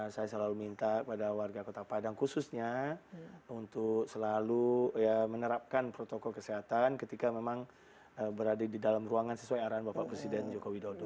saya selalu minta pada warga kota padang khususnya untuk selalu menerapkan protokol kesehatan ketika memang berada di dalam ruangan sesuai arahan bapak presiden joko widodo